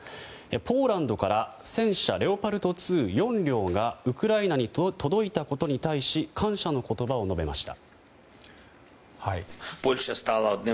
ポーランドから戦車レオパルト２、４両がウクライナに届いたことに対し感謝の言葉を述べました。